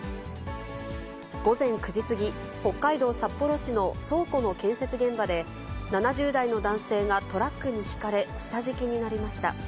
午前９時過ぎ、北海道札幌市の倉庫の建設現場で、７０代の男性がトラックにひかれ、下敷きになりました。